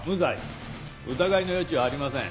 疑いの余地はありません。